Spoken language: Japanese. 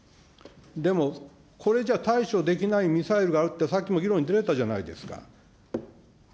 でも、これじゃ対処できないミサイルがあるって、さっきも議論に出てたじゃないですか。